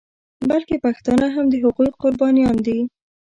بلکې پښتانه هم د هغوی قربانیان دي.